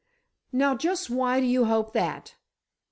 "Now, just why do you hope that?"